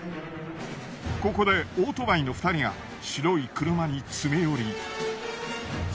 ここでオートバイの２人が白い車に詰め寄り。